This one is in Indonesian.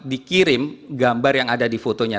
dikirim gambar yang ada di fotonya